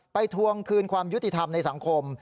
ทวงคืนความยุติธรรมในสังคม